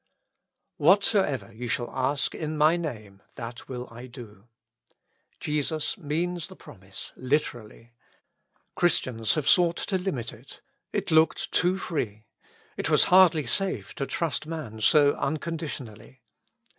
"Whatsoever ye shall ask in my Name, that will I do." Jesus means the promise literally. Chris tians have sought to limit it ; it looked too free ; it was hardly safe to trust man so unconditionally.